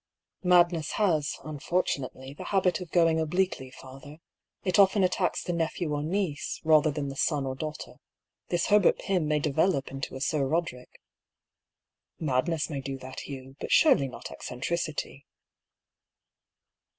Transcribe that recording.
" Madness has, unfortunately, the habit of going obliquely, father ; it often attacks the nephew or niece, rather than the son or daughter. This Herbert Pym may develop into a Sir Roderick." " Madness may do that, Hugh ; but surely not ec centricity."